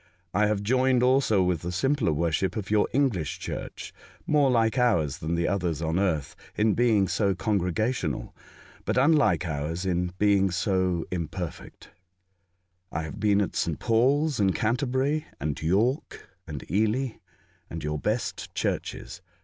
I have joined also with the simpler worship of your English Church, more like ours than the others on earth in being so congregational, but unlike ours in being so The Ocean Capital. 135 imperfect. I have been at S. Paul's and Canterbury, and York, and Ely, and your best churches.